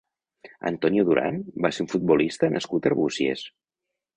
Antonio Durán va ser un futbolista nascut a Arbúcies.